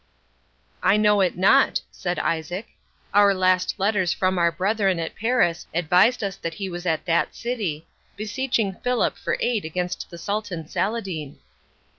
"I know it not," said Isaac; "our last letters from our brethren at Paris advised us that he was at that city, beseeching Philip for aid against the Sultan Saladine."